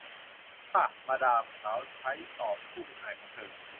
ค่ะ มาดาม สาวใช้ตอบผู้เป็นนายของเธอ